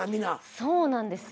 そうなんですよ。